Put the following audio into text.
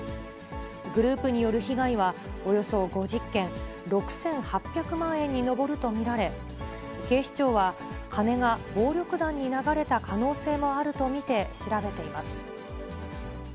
グループによる被害はおよそ５０件、６８００万円に上ると見られ、警視庁は、金が暴力団に流れた可能性もあると見て調べています。